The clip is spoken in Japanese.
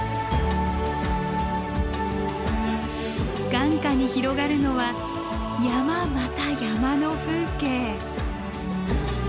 眼下に広がるのは山また山の風景。